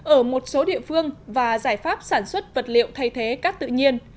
ở một số địa phương và giải pháp sản xuất vật liệu thay thế cát tự nhiên